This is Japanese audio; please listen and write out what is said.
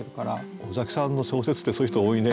尾崎さんの小説ってそういう人多いね。